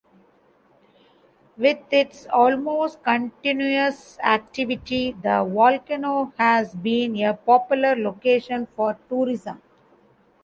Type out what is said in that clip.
With its almost continuous activity, the volcano has been a popular location for tourism.